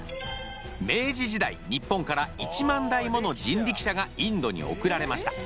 明治時代日本から１万台もの人力車がインドに送られました。